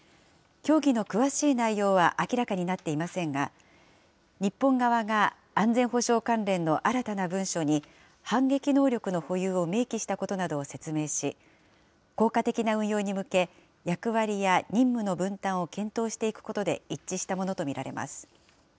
協議の詳しい内容は明らかになっていませんが、日本側が、安全保障関連の新たな文書に反撃能力の保有を明記したことなどを説明し、効果的な運用に向け、役割や任務の分担を検討していくことで一致したものと見られます。